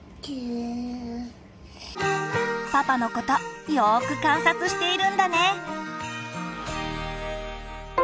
パパのことよく観察しているんだね。